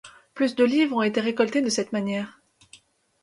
Plus de £ ont été récoltés de cette manière.